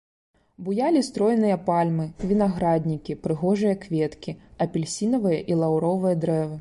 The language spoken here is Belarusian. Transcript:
Буялі стройныя пальмы, вінаграднікі, прыгожыя кветкі, апельсінавыя і лаўровыя дрэвы.